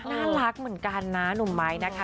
น่ารักเหมือนกันนะหนุ่มไม้นะคะ